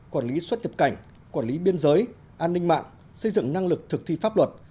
quản lý xuất nhập cảnh quản lý biên giới an ninh mạng xây dựng năng lực thực thi pháp luật